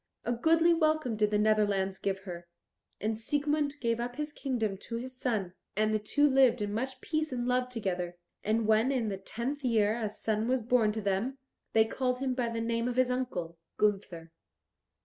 A goodly welcome did the Netherlands give her. And Siegmund gave up his kingdom to his son, and the two lived in much peace and love together; and when in the tenth year a son was born to them, they called him by the name of his uncle Gunther.